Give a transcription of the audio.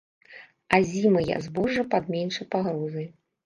Азімыя збожжа пад меншай пагрозай.